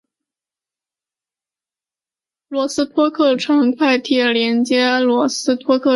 罗斯托克城市快铁连接罗斯托克市区和港区。